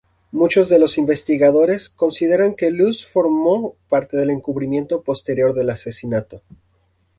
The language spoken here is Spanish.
Muchos de los investigadores consideran que Luce formó parte del encubrimiento posterior del asesinato.